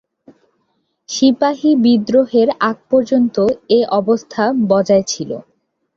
সিপাহি বিদ্রোহের আগ পর্যন্ত এ অবস্থা বজায় ছিল।